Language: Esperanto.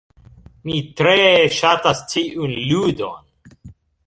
Mi tre ŝatas tiun ludon.